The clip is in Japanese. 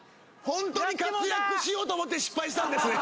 ホントに活躍しようと思って失敗したんですね